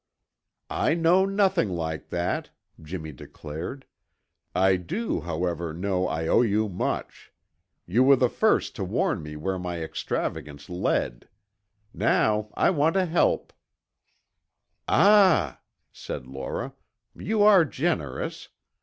"I know nothing like that," Jimmy declared. "I do, however, know I owe you much. You were the first to warn me where my extravagance led. Now I want to help " "Ah," said Laura, "you are generous!